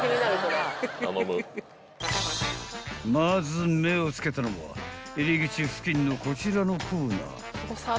［まず目を付けたのは入り口付近のこちらのコーナー］